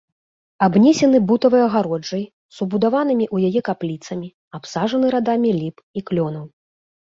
Абнесены бутавай агароджай з убудаванымі ў яе капліцамі, абсаджаны радамі ліп і клёнаў.